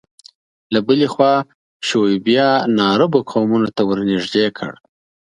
له بلې خوا شعوبیه ناعربو قومونو ته ورنژدې کړ